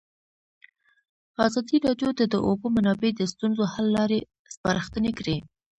ازادي راډیو د د اوبو منابع د ستونزو حل لارې سپارښتنې کړي.